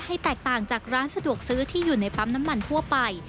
แตกต่างจากร้านสะดวกซื้อที่อยู่ในปั๊มน้ำมันทั่วไป